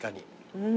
うん。